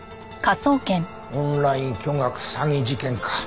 「オンライン巨額詐欺事件」か。